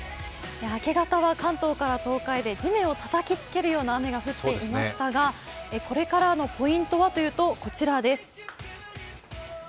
明け方は関東から東海で地面をたたきつけるような雨が降っていましたが、これからのポイントはというと、こちらです。